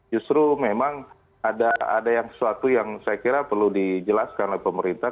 justru memang ada yang sesuatu yang saya kira perlu dijelaskan oleh pemerintah